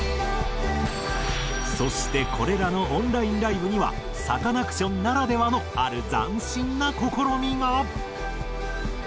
そしてこれらのオンラインライブにはサカナクションならではのある斬新な試みが。